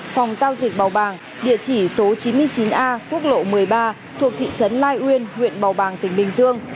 phòng giao dịch bào bàng địa chỉ số chín mươi chín a quốc lộ một mươi ba thuộc thị trấn lai uyên huyện bầu bàng tỉnh bình dương